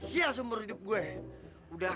sial seumur hidup gua udah